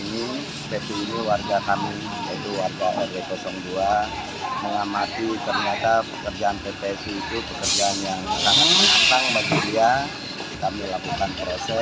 dua ribu tiga ini peti warga kami itu warga r dua mengamati ternyata pekerjaan ppsu itu pekerjaan yang